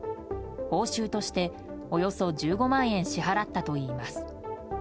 報酬としておよそ１５万円支払ったといいます。